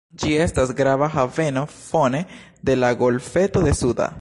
Ĝi estas grava haveno fone de la golfeto de Suda.